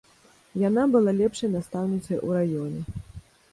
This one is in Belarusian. Яна была лепшай настаўніцай у раёне.